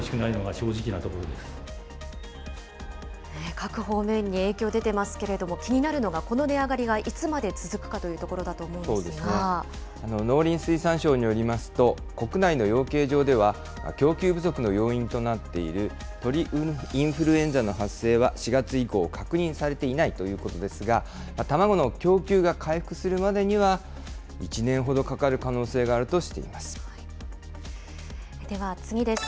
各方面に影響出てますけど、気になるのがこの値上がりがいつまで続くかというところだと思う農林水産省によりますと、国内の養鶏場では、供給不足の要因となっている鳥インフルエンザの発生は４月以降、確認されていないということですが、卵の供給が回復するまでには、１年ほどかかる可能性があるとしてでは次です。